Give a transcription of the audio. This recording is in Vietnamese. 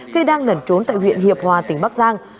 khi đang nẩn trốn tại huyện hiệp hòa tỉnh bắc giang